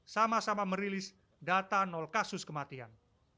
sama sama merilis data nol kasus kematian